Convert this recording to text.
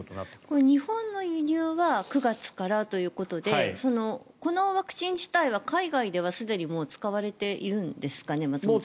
日本の輸入は９月からということでこのワクチン自体は海外ではすでにもう使われているんですかね松本先生。